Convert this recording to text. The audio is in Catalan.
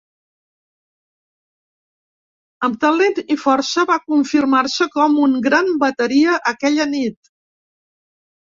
Amb talent i força va confirmar-se com un gran bateria aquella nit.